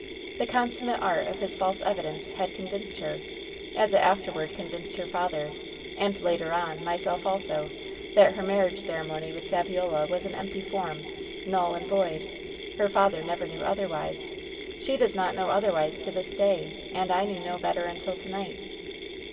The consummate art of his false evidence had convinced her, as it afterward convinced her father, and, later on, myself also, that her marriage ceremony with Saviola was an empty form — ^nuU and void. Her father never knew otherwise. She does not know othervTise to this day. And I knew no better until to night."